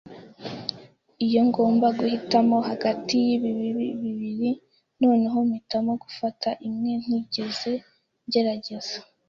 Iyo ngomba guhitamo hagati y'ibibi bibiri, noneho mpitamo gufata imwe ntigeze ngerageza.